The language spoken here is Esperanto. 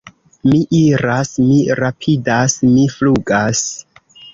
Mi iras, mi rapidas, mi flugas!